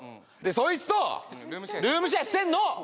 そいつとルームシェアしてんの！